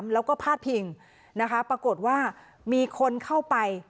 แล้วก็พาดพิงนะคะปรากฏว่ามีคนเข้าไป